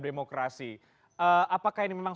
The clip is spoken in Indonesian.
demokrasi apakah ini memang